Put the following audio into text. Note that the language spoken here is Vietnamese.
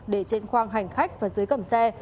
để trên khoang hành khách và dưới cầm xe